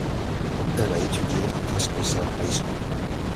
Elle a étudié à Tascosa High School.